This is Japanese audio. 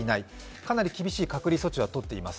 かなり厳しい隔離措置はとっています。